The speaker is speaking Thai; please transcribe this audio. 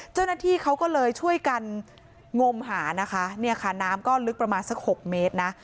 เจ้าหน้าที่เขาก็เลยช่วยกันงมหานะคะเนี่ยค่ะน้ำก็ลึกประมาณสัก๖เมตรนะ